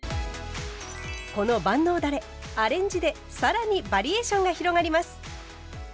この万能だれアレンジで更にバリエーションが広がります。